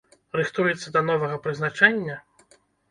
Рыхтуецца да новага прызначэння?